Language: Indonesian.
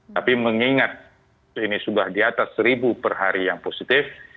tapi mengingat ini sudah di atas seribu per hari yang positif